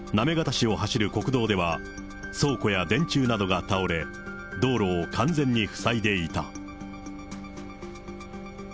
市を走る国道では、倉庫や電柱などが倒れ、道路を完全に塞いでいた。